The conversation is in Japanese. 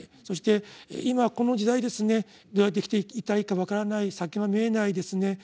そして今この時代どうやって生きていったらいいか分からない先が見えないですね